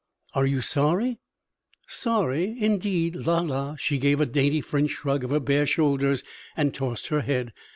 "Are you sorry?" "Sorry? Indeed! La, la!" She gave a dainty French shrug of her bare shoulders and tossed her head.